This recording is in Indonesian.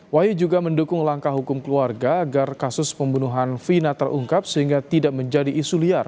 wahyu juga mendukung langkah hukum keluarga agar kasus pembunuhan vina terungkap sehingga tidak menjadi isu liar